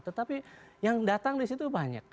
tetapi yang datang di situ banyak